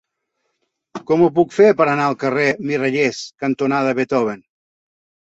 Com ho puc fer per anar al carrer Mirallers cantonada Beethoven?